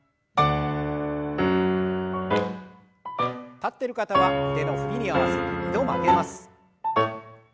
立ってる方は腕の振りに合わせて２度曲げます。